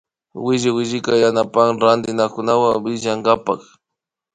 Williwilli yanapan rantiriakkunawan willanakunkapa